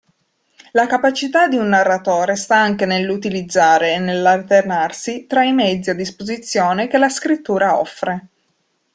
La capacità di un narratore sta anche nell'utilizzare e nell'alternarsi tra i mezzi a disposizione che la scrittura offre.